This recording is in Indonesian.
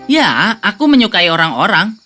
ya aku menyukai orang orang